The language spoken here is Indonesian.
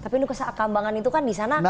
tapi nusa kambangan itu kan di sana